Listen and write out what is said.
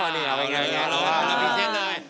อ๋อนี่เอาไง